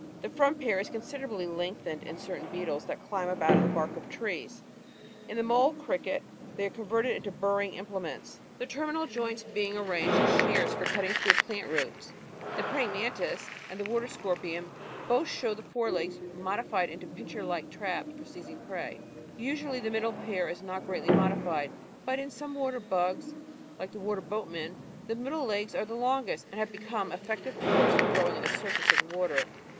The front pair is considerably lengthened in certain beetles that climb about the bark of trees; in the Mole Cricket they are converted into burrowing implements, the terminal 508 The Outline of Science joints being arranged as shears for cutting through plant roots (see figure facing page 312). The "Praying Mantis" and the Water Scorpion both show the fore legs modified into pincer like traps for seizing prey. Usually the middle pair is not greatly modified, but in some water bugs, like the Water boatman, the middle legs are the longest and have become eflPective oars for row ing on the surface of the water.